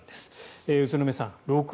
宇都宮さん